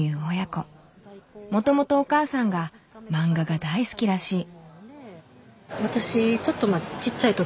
もともとお母さんがマンガが大好きらしい。